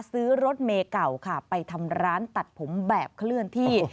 ซื้อรถเมย์เก่าค่ะไปทำร้านตัดผมแบบเคลื่อนที่